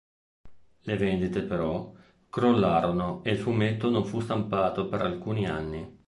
Le vendite, però, crollarono e il fumetto non fu stampato per alcuni anni.